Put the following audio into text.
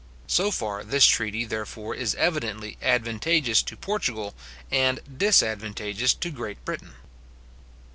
So far this treaty, therefore, is evidently advantageous to Portugal, and disadvantageous to Great Britain.